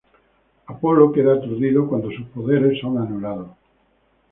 Apolo queda aturdido cuando sus poderes son anulados.